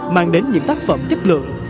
mang đến những tác phẩm chất lượng